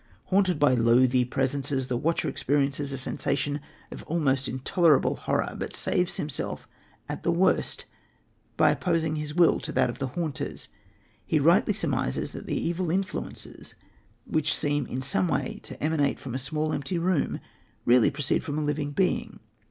Haunted by loathly presences, the watcher experiences a sensation of almost intolerable horror, but saves himself at the worst by opposing his will to that of the haunters. He rightly surmises that the evil influences, which seem in some way to emanate from a small empty room, really proceed from a living being.